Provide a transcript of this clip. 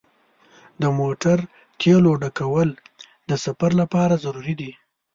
د موټر تیلو ډکول د سفر لپاره ضروري دي.